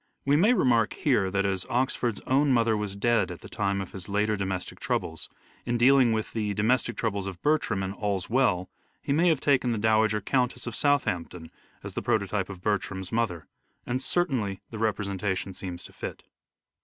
We may remark here that as Oxford's own mother was dead at the time of his later domestic troubles, in dealing with the domestic troubles of Bertram in " All's Well " he may have taken the Dowager Countess of Southampton as the prototype of Bertram's mother : and certainly the represen tation seems to fit.